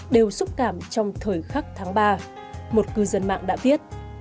đều xúc cảm trong thời khắc tháng ba một cư dân mạng đã viết